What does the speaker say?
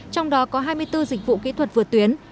trong đó có hai mươi bốn dịch vụ kỹ thuật vượt tuyến